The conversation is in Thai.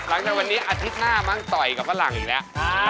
หลังจากวันนี้อาทิตย์หน้ามั้งต่อยกับฝรั่งอีกแล้ว